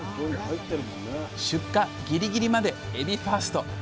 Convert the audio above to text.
出荷ギリギリまでエビファースト。